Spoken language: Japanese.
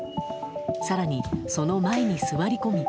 更に、その前に座り込み。